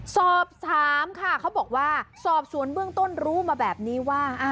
สอบถามค่ะเขาบอกว่าสอบสวนเบื้องต้นรู้มาแบบนี้ว่า